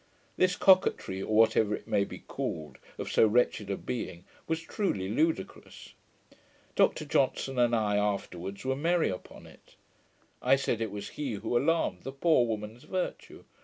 This coquetry, or whatever it may be called, of so wretched a being, was truly ludicrous. Dr Johnson and I afterwards were merry upon it. I said, it was he who alarmed the poor woman's virtue.